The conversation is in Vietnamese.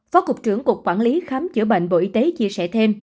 phó cục trưởng cục quản lý khám chữa bệnh bộ y tế chia sẻ thêm